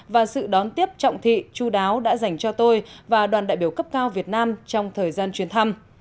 và sự đón tiếp trọng thị chú đáo đã dành cho tôi và đoàn đại biểu cấp cao việt nam trong thời gian chuyến thăm